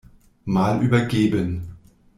Mal übergeben.